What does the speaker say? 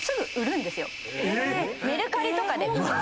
メルカリとかで売って。